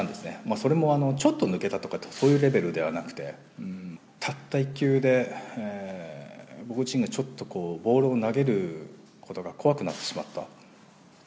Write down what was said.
それもちょっと抜けたとか、そういうレベルではなくて、たった１球で僕自身がちょっとこう、ボールを投げることが怖くなってしまった、